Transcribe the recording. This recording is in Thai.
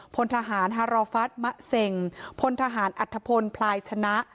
พลทหารฮารอฟัสมะเซ็งพลทหารอัธพลพลายชนะ